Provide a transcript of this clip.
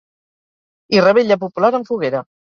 I revetlla popular amb foguera.